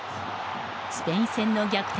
スペイン戦の逆転